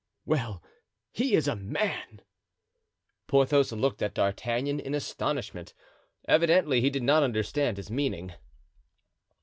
"Well, he is a man." Porthos looked at D'Artagnan in astonishment. Evidently he did not understand his meaning.)